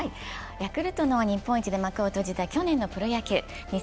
ヤクルトの日本一で幕を閉じた去年のプロ野球。